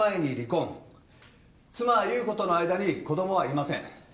妻裕子との間に子供はいません。